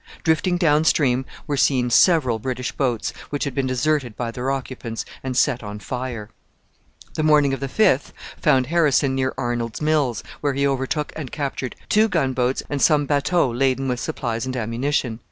Drifting down stream were seen several British boats, which had been deserted by their occupants and set on fire. The morning of the 5th found Harrison near Arnold's Mills, where he overtook and captured two gunboats and some bateaux laden with supplies and ammunition.